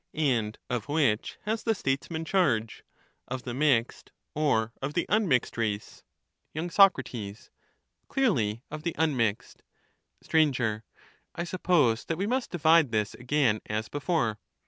And of which has the Statesman charge, — of the mixed or of the unmixed race ? y. Soc. Clearly of the unmixed. Sir. I suppose that we must divide this again as before.